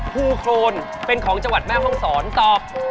โครนเป็นของจังหวัดแม่ห้องศรตอบ